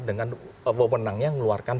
dengan wewenangnya mengeluarkan